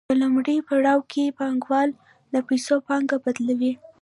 په لومړي پړاو کې پانګوال د پیسو پانګه بدلوي